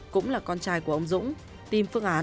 cũng là con trai của ông dũng tìm phương án